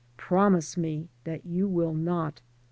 Promise me that you will not.